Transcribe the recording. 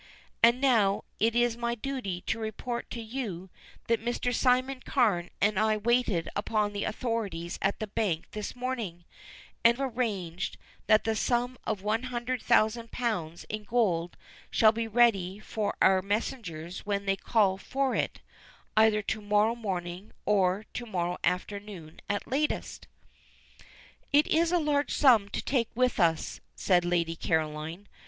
And now it is my duty to report to you that Mr. Simon Carne and I waited upon the authorities at the bank this morning, and have arranged that the sum of one hundred thousand pounds in gold shall be ready for our messengers when they call for it, either to morrow morning or to morrow afternoon at latest." "It is a large sum to take with us," said Lady Caroline.